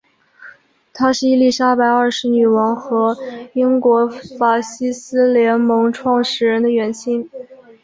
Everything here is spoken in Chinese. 他是伊丽莎白二世女王和英国法西斯联盟创始人的远亲。